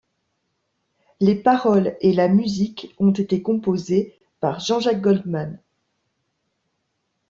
Les paroles et la musique ont été composées par Jean-Jacques Goldman.